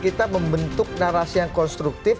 kita membentuk narasi yang konstruktif